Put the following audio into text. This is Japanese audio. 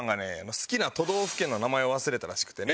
好きな都道府県の名前を忘れたらしくてね。